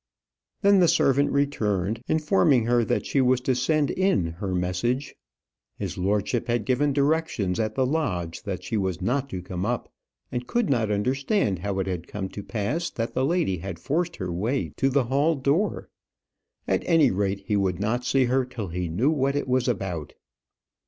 Then the servant returned, informing her that she was to send in her message. His lordship had given directions at the lodge that she was not to come up, and could not understand how it had come to pass that the lady had forced her way to the hall door. At any rate, he would not see her till he knew what it was about.